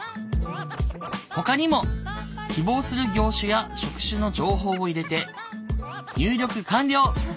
ほかにも希望する業種や職種の情報を入れて入力完了！